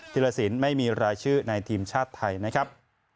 ธิรสินไม่มีรายชื่อในทีมชาติไทยนะครับ